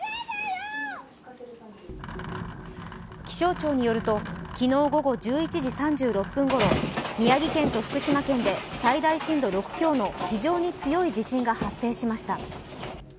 気象庁によると、昨日午後１１時３６分ごろ、宮城県と福島県で最大震度６強の非常に強い地震が発生しました。